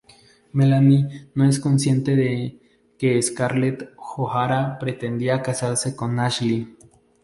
Melanie no es consciente de que Scarlett O'Hara pretendía casarse con Ashley.